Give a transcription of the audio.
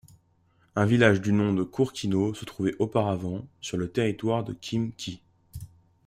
Un village du nom de Kourkino se trouvait auparavant sur le territoire de Khimki.